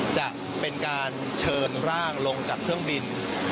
จะเป็นการเชิญร่างลงจากเครื่องบิน